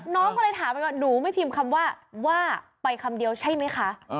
น้องก็เลยถามไปก่อนหนูไม่พิมพ์คำว่าว่าไปคำเดียวใช่ไหมคะ